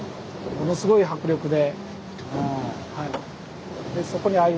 ものすごい迫力で。